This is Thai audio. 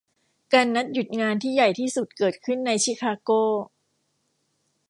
การนัดหยุดงานที่ใหญ่ที่สุดเกิดขึ้นในชิคาโก